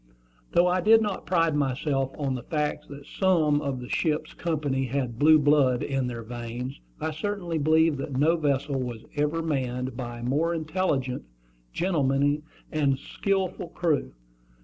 Though I did not pride myself on the fact that some of my ship's company had "blue blood" in their veins, I certainly believed that no vessel was ever manned by a more intelligent, gentlemanly, and skilful crew.